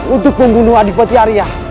untuk membunuh adipati arya